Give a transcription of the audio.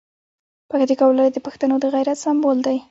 پکتیکا ولایت د پښتنو د غیرت سمبول دی.